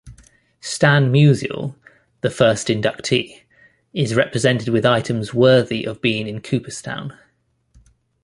Stan Musial, the first inductee, is represented with items worthy of being in Cooperstown.